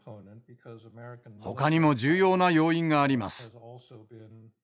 ほかにも重要な要因があります。